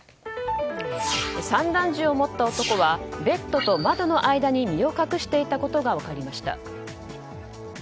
散弾銃を持った男はベッドと窓の間に身を隠していたことが分かりました。